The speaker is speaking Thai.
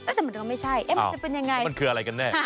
แต่มันก็ไม่ใช่มันจะเป็นยังไง